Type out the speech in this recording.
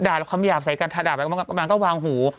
ด่าแล้วคำหยาบใส่กันทะดาบมันก็วางหู